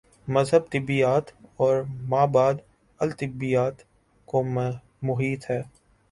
مذہب طبیعیات اور مابعدالطبیعیات کو محیط ہے۔